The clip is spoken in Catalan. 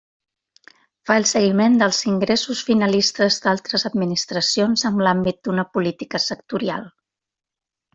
Fa el seguiment dels ingressos finalistes d'altres administracions en l'àmbit d'una política sectorial.